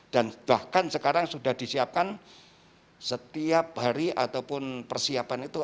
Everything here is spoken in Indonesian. dan bahkan sekarang sudah disiapkan setiap hari ataupun persiapan itu